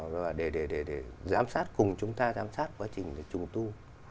và để giám sát cùng chúng ta giám sát quá trình trùng tu